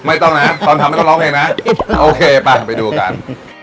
ไม่ต้องนะตอนทำไม่ต้องร้องเพลงนะโอเคไปไปดูกัน